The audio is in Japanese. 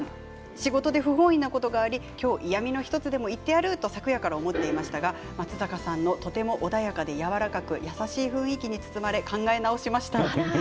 仕事で不本意なことがあり今日、嫌みの１つでも言ってやると昨夜から思っていましたが松坂さんがとても穏やかでやわらかく優しい雰囲気に包まれ考え直しました。